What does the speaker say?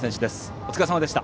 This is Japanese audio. お疲れさまでした。